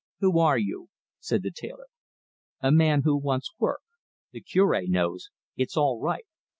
"Who are you?" said the tailor. "A man who wants work. The Cure knows. It's all right.